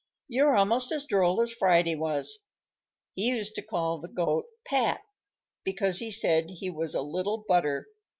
"You're almost as droll as Friday was. He used to call the Goat 'Pat,' because he said he was a little butter.